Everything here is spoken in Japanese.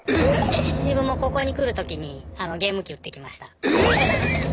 自分もここに来る時にゲーム機売ってきました。